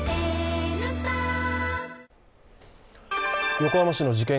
横浜市の事件